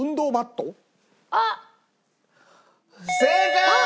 正解！